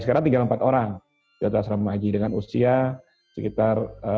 sekarang tinggal empat orang di asrama haji dengan usia sekitar empat belas